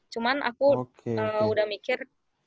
cuman aku udah mikir